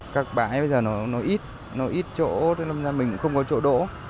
các bãi bây giờ nó ít nó ít chỗ mình không có chỗ đỗ